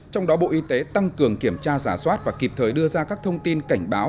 trong đó bộ y tế tăng cường kiểm tra giả soát và kịp thời đưa ra các thông tin cảnh báo